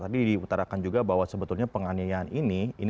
tadi diutarakan juga bahwa sebetulnya penganiayaan ini